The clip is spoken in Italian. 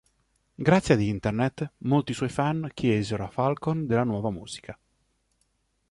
Grazie ad internet, molti suoi fan chiesero a Falcon della nuova musica.